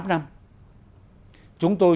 chúng tôi chúc các bạn